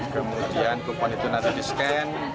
kemudian kupon itu nanti di scan